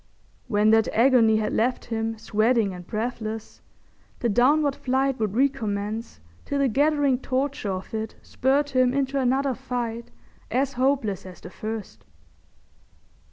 When that agony had left him sweating and breathless, the downward flight would recommence till the gathering torture of it spurred him into another fight as hopeless as the first.